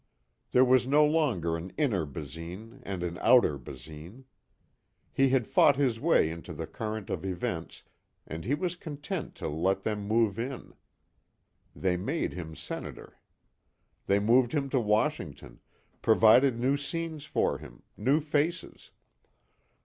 There was no longer an inner Basine and an outer Basine. He had fought his way into the current of events and he was content to let them move him. They made him Senator. They moved him to Washington, provided new scenes for him, new faces.